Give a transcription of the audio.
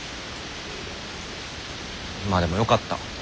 まあでもよかった。